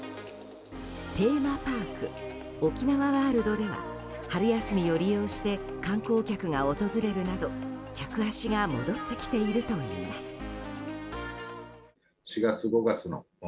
テーマパークおきなわワールドでは春休みを利用して観光客が訪れるなど客足が戻ってきているといいます。